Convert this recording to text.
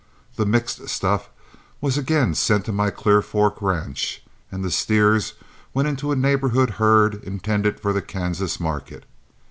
The mixed stuff was again sent to my Clear Fork ranch, and the steers went into a neighborhood herd intended for the Kansas market.